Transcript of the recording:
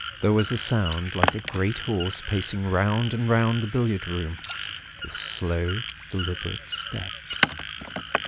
"There was a sound like a great horse pacing round and round the billiard room, with slow, deliberate steps.